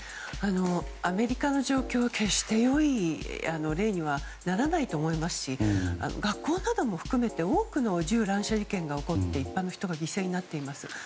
アメリカの状況は決して良い例にはならないと思いますし学校なども含めて多くの銃乱射事件が起きて一般の人が犠牲になっています。